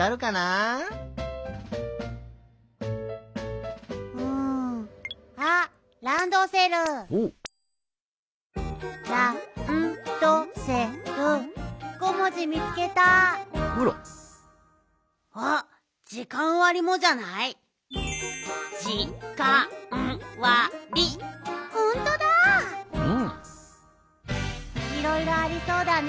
いろいろありそうだね。